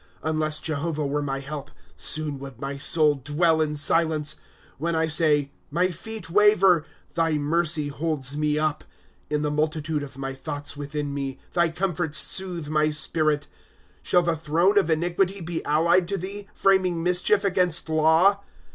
" Unless Jehovah were my help. Soon would my soul dwell in silence. 13 When I say ; My feet waver, — Thy mercy holds me up. 13 In the multitude of my thoughts within me, Thy comforts soothe my spirit. ^'' Shall the throne of iniquity be allied to thee, Framing mischief against law